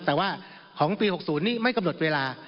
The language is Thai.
แต่ว่าของปี๖๐นี้ไม่กำหนดเวลา